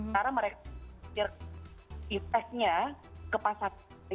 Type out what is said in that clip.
karena mereka berpikir effect nya kepasangan